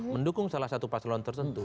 mendukung salah satu paslon tertentu